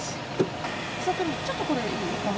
聖ちょっとこれいい？